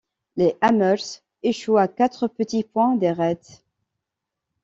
Les hammers échouent à quatre petits points des Reds.